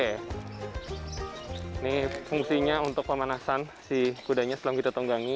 ini fungsinya untuk pemanasan si kudanya sebelum kita tunggangi